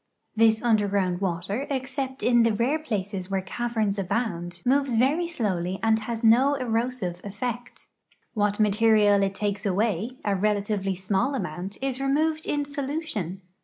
This underground water, except in the rare places where caverns abound, moves very slowly and lias no erosive effect. What material it takes away — a relatively small amount— is removed in solution.